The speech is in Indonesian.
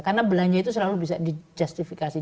karena belanja itu selalu bisa dijustifikasi